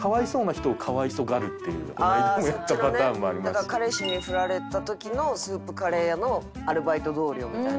だから彼氏にフラれた時のスープカレー屋のアルバイト同僚みたいな。